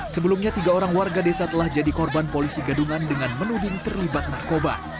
sebelumnya tiga orang warga desa telah jadi korban polisi gadungan dengan menuding terlibat narkoba